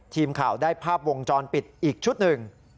ทีมข่าวได้ภาพวงจรปิดอีกชุดหนึ่ง